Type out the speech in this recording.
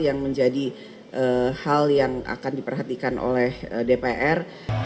yang menjadi hal yang akan diperhatikan oleh dpr